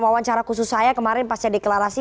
pemawancara khusus saya kemarin pas saya deklarasi